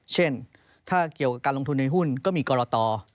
เช่นถ้าเกี่ยวกับการลงทุนในหุ้นก็มีกรต